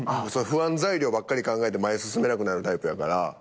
不安材料ばっかり考えて前進めなくなるタイプやから。